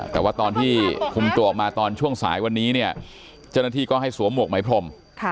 แต่ว่าตอนที่คุมตัวออกมาตอนช่วงสายวันนี้เนี่ยเจ้าหน้าที่ก็ให้สวมหวกไหมพรม